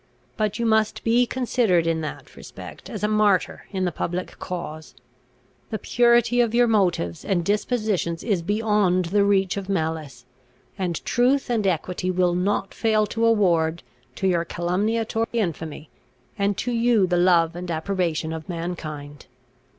But you must be considered in that respect as a martyr in the public cause. The purity of your motives and dispositions is beyond the reach of malice; and truth and equity will not fail to award, to your calumniator infamy, and to you the love and approbation of mankind.